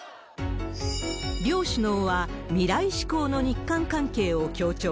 両首脳は未来志向の日韓関係を強調。